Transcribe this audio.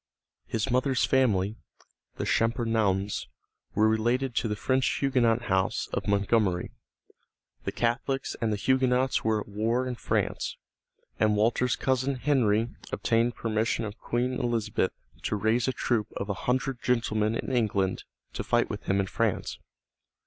His mother's family, the Champernouns, were related to the French Huguenot house of Montgomerie. The Catholics and the Huguenots were at war in France, and Walter's cousin Henry obtained permission of Queen Elizabeth to raise a troop of a hundred gentlemen in England to fight with him in France.